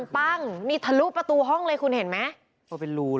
ปั้งนี่ทะลุประตูห้องเลยคุณเห็นไหม